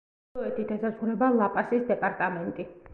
ჩრდილოეთით ესაზღვრება ლა-პასის დეპარტამენტი.